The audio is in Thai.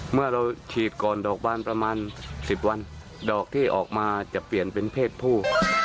เมื่อเราฉีดก่อนดอกบานประมาณ๑๐วันดอกที่ออกมาจะเปลี่ยนเป็นเพศผู้